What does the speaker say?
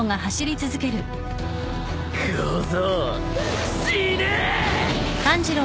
小僧死ね！